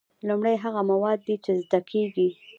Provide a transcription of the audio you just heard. لومړی هغه مواد دي چې زده کیږي.